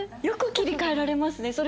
よく切り替えられますね